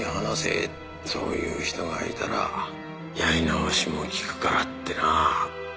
そういう人がいたらやり直しも利くからってな。